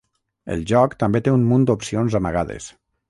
El joc també té un munt d'opcions amagades.